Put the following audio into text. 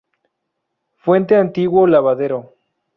Fuente Antiguo Lavadero.